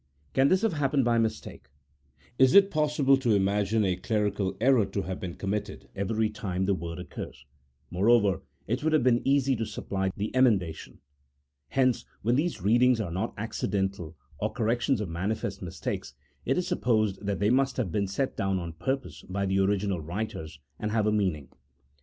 Can this have happened by mistake? Is it possible to imagine a clerical error to have been committed every time the word occurs ? Moreover, it would have been easy to supply the emendation. Hence, when these readings are not accidental or corrections of manifest mistakes, it is sup posed that they must have been set down on purpose by the original writers, and have a meaning.